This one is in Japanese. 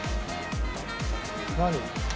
何？